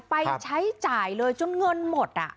ไปใช้จ่ายเลยจนเงินหมด